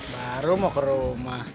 baru mau ke rumah